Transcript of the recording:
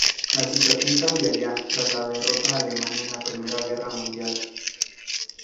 La situación cambiaría tras la derrota alemana en la Primera Guerra Mundial.